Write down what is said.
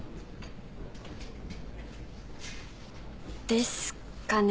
ですかね。